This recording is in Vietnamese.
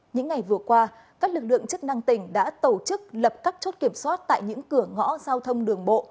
những ngày vừa qua các lực lượng chức năng tỉnh đã tổ chức lập các chốt kiểm soát tại những cửa ngõ giao thông đường bộ